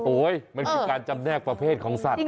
โอ้โห้ยมันคือการจำแนกประเภทของสัตว์ครับ